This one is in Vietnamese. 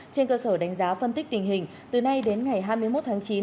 trên cơ sở đánh giá phân tích tình hình từ nay đến ngày hai mươi một tháng chín